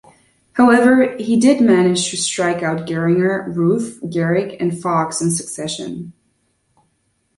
However, he did manage to strike out Gehringer, Ruth, Gehrig, and Foxx in succession.